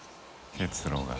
結露が。